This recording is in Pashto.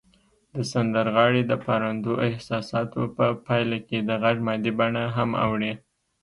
د سندرغاړي د پارندو احساساتو په پایله کې د غږ مادي بڼه هم اوړي